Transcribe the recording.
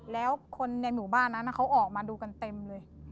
แล้วคนในหมู่บ้านนั้นเขาออกมาดูกันเต็มเลย